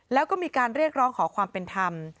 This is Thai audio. แล้วก็มีการเรียกร้องขอความเป็นธรรม